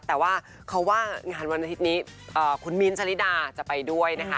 แต่ว่าเขาว่างานวันอาทิตย์นี้คุณมิ้นทะลิดาจะไปด้วยนะคะ